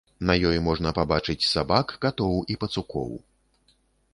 На ёй можна пабачыць сабак, катоў і пацукоў.